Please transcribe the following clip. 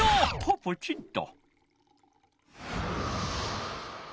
ポチッと。